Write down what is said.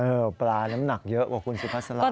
เออปลาน้ำหนักเยอะกว่าคุณสุภาษาลานี้ค่ะ